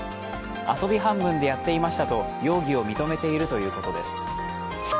遊び半分でやっていましたと容疑を認めているということです。